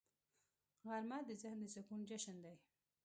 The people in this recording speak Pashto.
غرمه د ذهن د سکون جشن دی